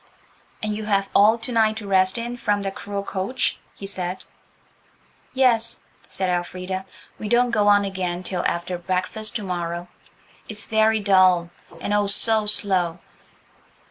"And you have all to night to rest in from that cruel coach?" he said. "Yes," said Elfrida, "we don't go on again till after breakfast to morrow. It's very dull–and oh, so slow!